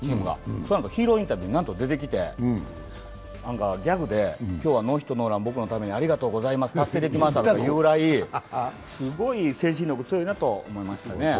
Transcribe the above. そのあとヒーローインタビューに出てきてギャグで今日はノーヒットノーラン、僕のためにありがとうございました、達成できましたと言うくらいすっごい精神力強いなと思いましたね。